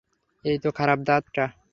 এইতো খারাপ দাঁতটা।